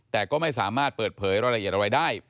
แต่ก็ไม่สามารถเปิดเผยรายละเอียดอะไรได้